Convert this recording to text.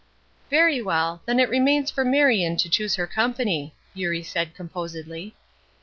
"Very well then it remains for Marion to choose her company," Eurie said, composedly.